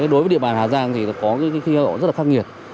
đối với địa bàn hà giang thì có những khi rất khắc nghiệt